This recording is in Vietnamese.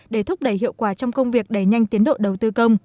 để thúc đẩy hiệu quả trong công việc đẩy nhanh tiến độ đầu tư công